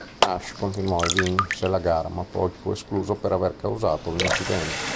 Nash continuò e vinse la gara, ma fu poi escluso per aver causato l'incidente.